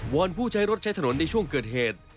อนผู้ใช้รถใช้ถนนในช่วงเกิดเหตุ